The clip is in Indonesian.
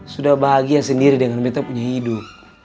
sudah bahagia sendiri dengan kita punya hidup